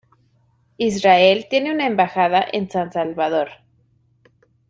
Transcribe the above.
Israel tiene una embajada en San Salvador.